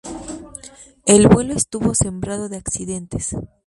El vuelo estuvo sembrado de accidentes.